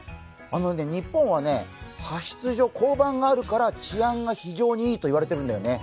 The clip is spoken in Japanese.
日本はね、派出所、交番があるから治安が非常にいいと言われているんだよね。